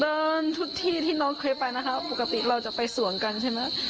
ค่ะคือเดินทุกที่ที่น้องเคยไปนะครับปกติเราจะไปส่วนกันใช่ไหม